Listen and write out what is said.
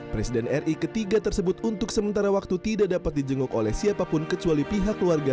presiden ri ketiga tersebut untuk sementara waktu tidak dapat dijenguk oleh siapapun kecuali pihak keluarga